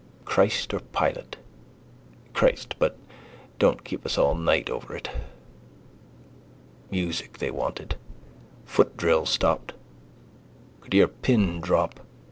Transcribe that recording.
Christ or Pilate? Christ, but don't keep us all night over it. Music they wanted. Footdrill stopped. Could hear a pin drop.